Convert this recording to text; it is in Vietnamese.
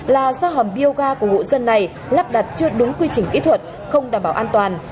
là do hầm bioga của hộ dân này lắp đặt chưa đúng quy trình kỹ thuật không đảm bảo an toàn